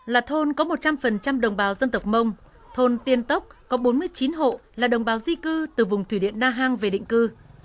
là thôn có một trăm linh đồng bào dân tộc mông thôn tiên tốc có bốn mươi chín hộ là đồng bào di cư từ vùng thủy điện na hàng về định cư